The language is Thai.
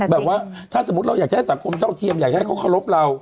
แบบว่าถ้าสมมุติเราอยากจะให้สังคมเท่าเทียมอยากจะให้เขาเคารพเรา